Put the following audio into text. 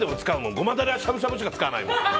ゴマダレはしゃぶしゃぶしか使わないもん。